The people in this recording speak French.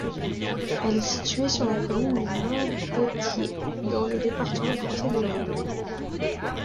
Elle est située sur la commune de Montpothier, dans le département français de l'Aube.